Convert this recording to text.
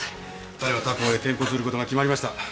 彼は他校へ転校することが決まりました。